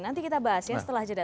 nanti kita bahas ya setelah jeda